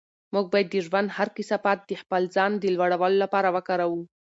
موږ باید د ژوند هر کثافت د خپل ځان د لوړولو لپاره وکاروو.